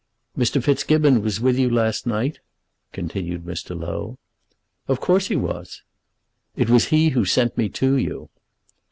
"Mr. Fitzgibbon was with you last night," continued Mr. Low. "Of course he was." "It was he who has sent me to you."